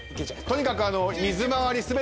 とにかく水回り全てと。